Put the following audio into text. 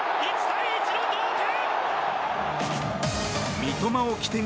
１対１の同点！